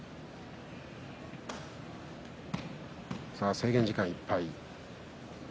制限時間いっぱいです。